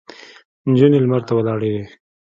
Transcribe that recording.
نجونې لمر ته ولاړې وې.